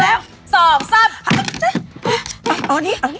เอาอันนี้